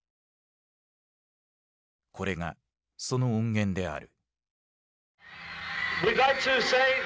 これがその音源である。